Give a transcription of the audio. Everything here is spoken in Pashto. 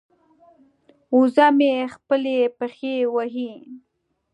وزه مې خپلې پښې وهي.